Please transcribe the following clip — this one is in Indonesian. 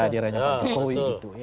di era pak jokowi